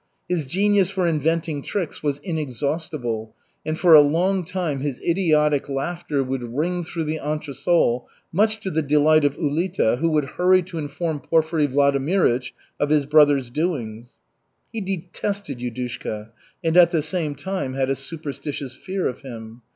His genius for inventing tricks was inexhaustible, and for a long time his idiotic laughter would ring through the entresol, much to the delight of Ulita, who would hurry to inform Porfiry Vladimirych of his brother's doings. He detested Yudushka and at the same time had a superstitious fear of him.